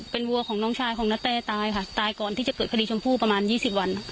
เป็นวัวของน้องชายของนาแตตายค่ะตายก่อนที่จะเกิดคดีชมพู่ประมาณยี่สิบวัน